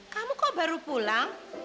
kamu kok baru pulang